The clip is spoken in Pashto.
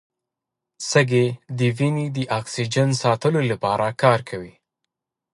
سږي د وینې د اکسیجن ساتلو لپاره کار کوي.